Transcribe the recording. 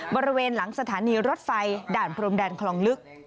บริเวณหลังสถานีรถไฟด่านพรมแดนคลองลึก